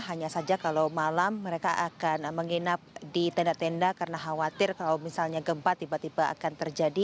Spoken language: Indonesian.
hanya saja kalau malam mereka akan menginap di tenda tenda karena khawatir kalau misalnya gempa tiba tiba akan terjadi